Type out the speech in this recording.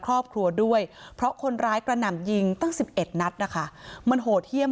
ครอบครัวด้วยเพราะคนร้ายกระหน่ำยิงตั้ง๑๑นัดนะคะมันโหดเยี่ยม